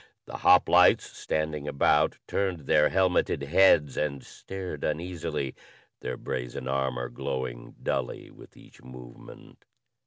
The hoplites, standing about, turned their helmeted heads and stared uneasily, their brazen armor glowing dully with each movement.